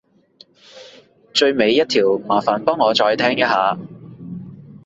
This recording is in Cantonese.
最尾一條麻煩幫我再聽一下